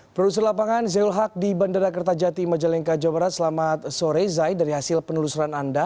produser lapangan zayul haq di bandara kertajati majalengka jawa barat selamat sore zai dari hasil penelusuran anda